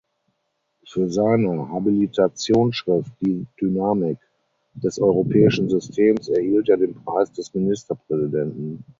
Für seine Habilitationsschrift "Die Dynamik des europäischen Systems" erhielt er den Preis des Ministerpräsidenten.